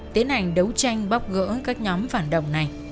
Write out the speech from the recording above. tiến hành đấu tranh bóc gỡ các nhóm phản động này